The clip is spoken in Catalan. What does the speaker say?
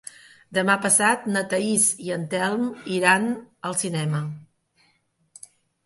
Demà passat na Thaís i en Telm iran al cinema.